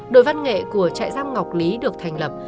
đội văn nghệ của trại giam ngọc lý được thành lập